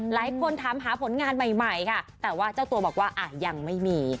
หลายคนถามหาผลงานใหม่ค่ะแต่ว่าเจ้าตัวบอกว่ายังไม่มี